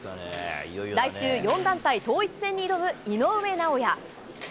来週、４団体統一戦に挑む井上尚弥。